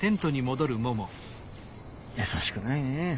優しくないねえ。